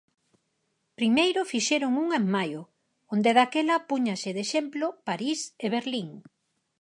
Primeiro fixeron unha en maio, onde daquela púñase de exemplo París e Berlín.